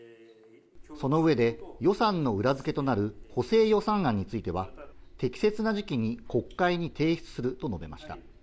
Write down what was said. その上で予算の裏付けとなる補正予算案については適切な時期に国会に提出すると述べました。